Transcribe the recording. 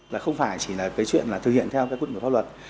là không phải chỉ là cái chuyện là thực hiện theo cái quy định của pháp luật